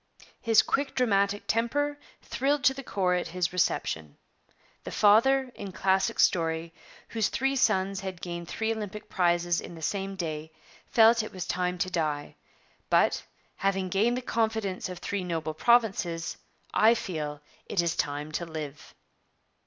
His quick dramatic temper thrilled to the core at his reception. 'The father, in classic story, whose three sons had gained three Olympic prizes in the same day, felt it was time to die. But, having gained the confidence of three noble provinces, I feel it is time to live.'